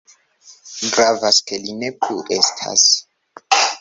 Gravas, ke li ne plu estas.